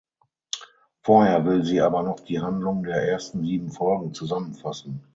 Vorher will sie aber noch die Handlung der ersten sieben Folgen zusammenfassen.